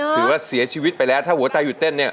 ถือว่าเสียชีวิตไปแล้วถ้าหัวใจหยุดเต้นเนี่ย